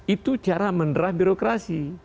itu cara menerah birokrasi